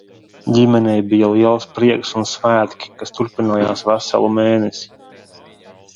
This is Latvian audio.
Ģimenei bija liels prieks un svētki, kas turpinājās veselu mēnesi.